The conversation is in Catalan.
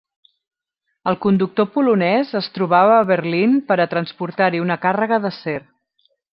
El conductor polonès es trobava a Berlín per a transportar-hi una càrrega d'acer.